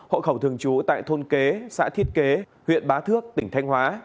hộ khẩu thường trú tại thôn kế xã thiết kế huyện bá thước tỉnh thanh hóa